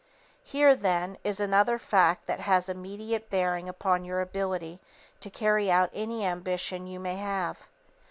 Here, then, is another fact that has immediate bearing upon your ability to carry out any ambition you may have.